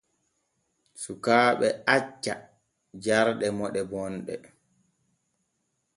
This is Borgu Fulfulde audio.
Sukaaɓe acca jarɗe moɗe bonɗe.